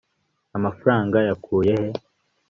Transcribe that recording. Amafaranga yakuye he